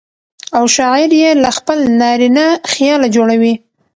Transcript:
او شاعر يې له خپل نارينه خياله جوړوي.